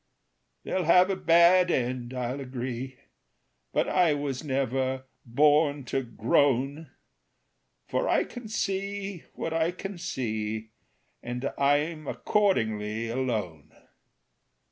"They'll have a bad end, I'll agree, But I was never born to groan; For I can see what I can see, And I'm accordingly alone.